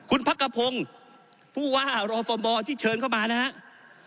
คุณพักกระพงศ์ผู้ว่ารฟมที่เชิญเข้ามานะครับ